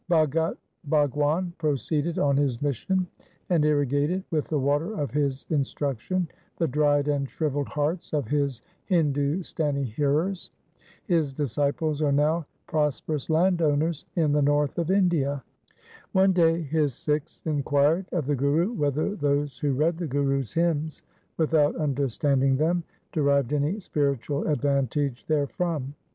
Bhagat Bhagwan proceeded on his mission and irrigated with the water of his instruction the dried and shrivelled hearts of his Hindustani hearers. His disciples are now pros perous land owners in the north of India. One day his Sikhs inquired of the Guru whether those who read the Gurus' hymns without under standing them derived any spiritual advantage there from.